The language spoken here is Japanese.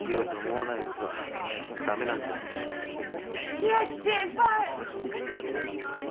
千秋先輩！